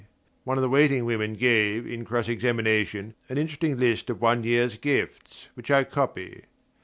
One of the waiting women gave, in cross examination, an interesting list of one year's gifts, which I copy.